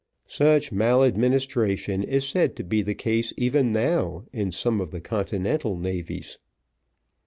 Such maladministration is said to be the case even now in some of the continental navies.